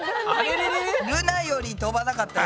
ルナよりとばなかったな。